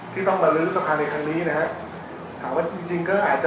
ที่ต้องมหรือรู้สังคมไว้หน้าถ้าเจ๋งก็อาจจะ